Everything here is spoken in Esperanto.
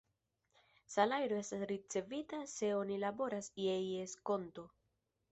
Salajro estas ricevita se oni laboras je ies konto.